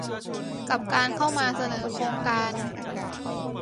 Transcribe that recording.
กับการเข้ามาเสนอโครงการ